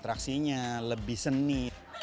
atraksinya lebih seni